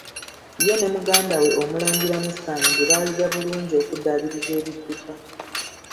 Ye ne muganda we Omulangira Musanje baayiga bulungi okuddaabiriza ebidduka.